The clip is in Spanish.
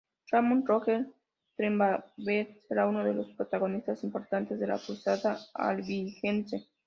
Ramón Roger Trencavel será uno de los protagonistas importantes de la cruzada Albigense.